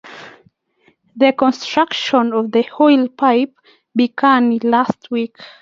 The construction of the oil pipeline began last week.